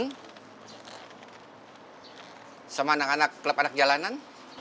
hai sama anak anak kelab anak jalanan